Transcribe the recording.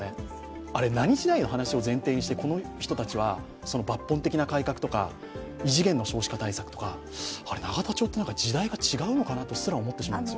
あれ、何時代の話を前提にしてこの人たちは抜本的な改革とか異次元の少子化対策とか、永田町って、時代が違うのかなとすら思ってしまいます。